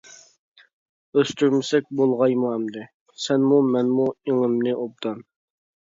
ئۆستۈرمىسەك بولغايمۇ ئەمدى، سەنمۇ مەنمۇ ئېڭىمنى ئوبدان.